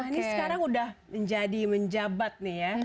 nah ini sekarang sudah menjadi menjabat nih ya